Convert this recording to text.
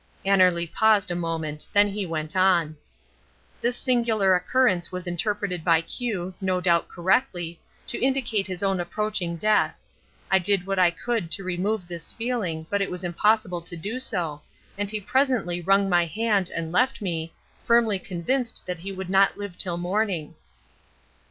Annerly paused a moment. Then he went on: "This singular occurrence was interpreted by Q, no doubt correctly, to indicate his own approaching death. I did what I could to remove this feeling, but it was impossible to do so, and he presently wrung my hand and left me, firmly convinced that he would not live till morning."